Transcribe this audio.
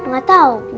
gak tau bu